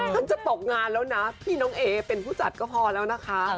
ฉันจะตกงานแล้วนะพี่น้องเอเป็นผู้จัดก็พอแล้วนะคะ